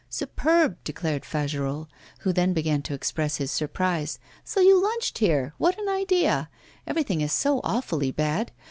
'Superb!' declared Fagerolles, who then began to express his surprise. 'So you lunched here. What an idea! Everything is so awfully bad.